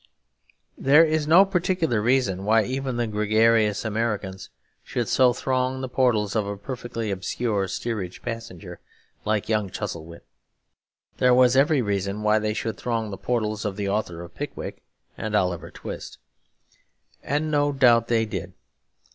There is no particular reason why even the gregarious Americans should so throng the portals of a perfectly obscure steerage passenger like young Chuzzlewit. There was every reason why they should throng the portals of the author of Pickwick and Oliver Twist. And no doubt they did.